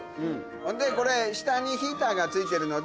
ほんでこれ下にヒーターが付いてるので。